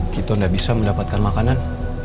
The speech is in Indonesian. kita tidak bisa mendapatkan makanan